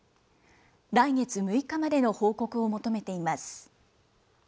来月６日までの報告を求めています。